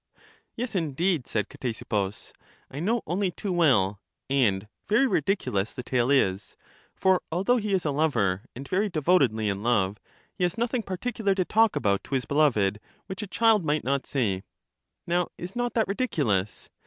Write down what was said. Yes, indeed, said Ctesippus ; I know only too well ; and very ridiculous the tale is: for although he is a 52 LYSIS lover, and very devotedly in love, he has nothing par ticular to talk about to his beloved which a child might not say. Now is not that ridiculous?